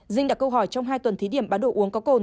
dinh đặt câu hỏi trong hai tuần thí điểm bán đồ uống có cồn